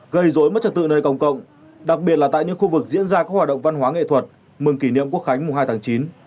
gây dối mất trật tự nơi công cộng đặc biệt là tại những khu vực diễn ra các hoạt động văn hóa nghệ thuật mừng kỷ niệm quốc khánh mùng hai tháng chín